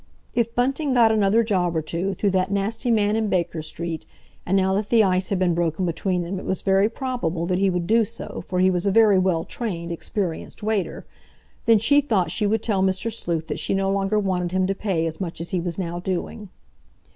If Bunting got another job or two through that nasty man in Baker Street,—and now that the ice had been broken between them it was very probable that he would do so, for he was a very well trained, experienced waiter—then she thought she would tell Mr. Sleuth that she no longer wanted him to pay as much as he was now doing.